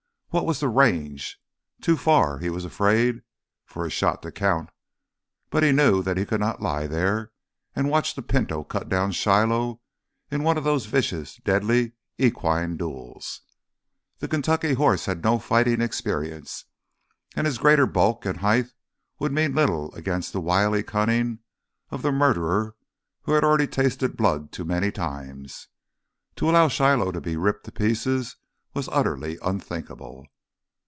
What was the range? Too far, he was afraid, for a shot to count. But he knew that he could not lie there and watch the Pinto cut down Shiloh in one of those vicious, deadly, equine duels. The Kentucky horse had no fighting experience, and his greater bulk and height would mean little against the wily cunning of the murderer who had already tasted blood too many times. To allow Shiloh to be ripped to pieces was utterly unthinkable.